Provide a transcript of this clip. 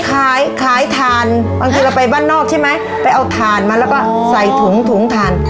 ขายขายถ่านบางทีเราไปบ้านนอกใช่ไหมไปเอาถ่านมาแล้วก็ใส่ถุงถุงถ่าน